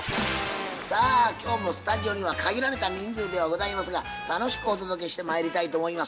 さあ今日もスタジオには限られた人数ではございますが楽しくお届けしてまいりたいと思います。